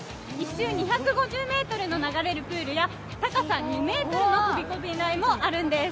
１周２５０ｍの流れるプールや高さ２ｍの飛び込み台もあるんです。